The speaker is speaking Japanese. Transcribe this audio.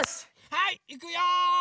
はいいくよ。